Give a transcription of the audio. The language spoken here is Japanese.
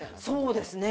そうですね。